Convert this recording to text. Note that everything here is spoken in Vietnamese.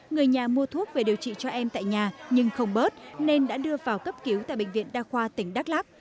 người nhà mua thuốc về điều trị cho em tại nhà nhưng không bớt nên đã đưa vào cấp cứu tại bệnh viện đa khoa tỉnh đắk lắc